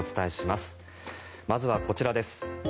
まずはこちらです。